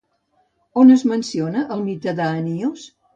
On es menciona el mite d'Anios?